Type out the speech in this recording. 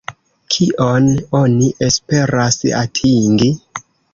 Kion oni esperas atingi?